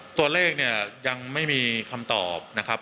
ตัวเลขยังไม่มีคำตอบ